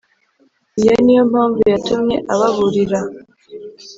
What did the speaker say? iyo niyo mpamvu yatumye ababurira